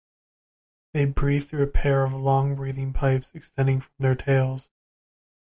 They breathe through a pair of long breathing pipes extending from their tails.